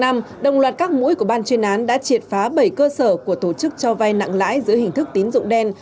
đêm hai mươi năm tháng năm đồng loạt các mũi của ban chuyên án đã triệt phá bảy cơ sở của tổ chức cho vay nặng lãi giữa hình thức tín dụng đen